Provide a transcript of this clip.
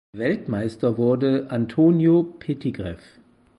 Weltmeister wurde Antonio Pettigrew.